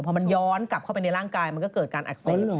พอมันย้อนกลับเข้าไปในร่างกายมันก็เกิดการอักเสบ